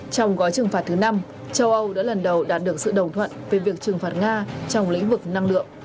trong gói trừng phạt thứ năm châu âu đã lần đầu đạt được sự đồng thuận về việc trừng phạt nga trong lĩnh vực năng lượng